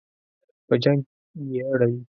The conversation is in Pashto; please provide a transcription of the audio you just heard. په جنګ یې اړوي.